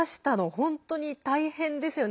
本当に大変ですよね。